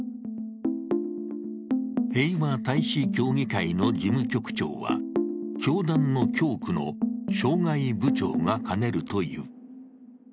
平和大使協議会の事務局長は教団の教区の渉外部長が兼ねるという。